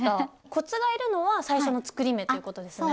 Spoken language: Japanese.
コツがいるのは最初の作り目ということですね。